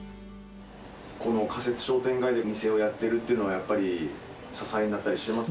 この仮設商店街で店をやってるっていうのは、やっぱり支えになったりしてます？